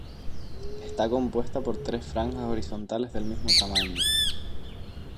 Está compuesta por tres franjas horizontales del mismo tamaño.